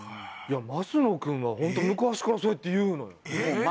いや升野君はホント昔からそうやって言うのよ。